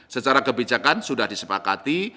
secara kebijakan sudah disepakati